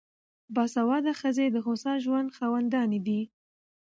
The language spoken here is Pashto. باسواده ښځې د هوسا ژوند خاوندانې دي.